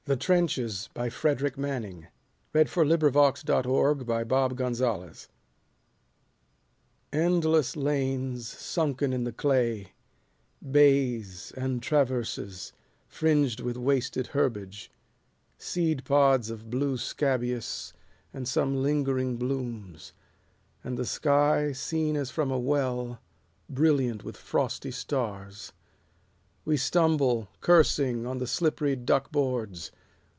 One bough of clear promise Across the moon. Frederic Manning THE TRENCHES ENDLESS lanes sunken in the clay, Bays, and traverses, fringed with wasted herbage, Seed pods of blue scabious, and some lingering blooms ; And the sky, seen as from a well, Brilliant with frosty stars. We stumble, cursing, on the slippery duck boards.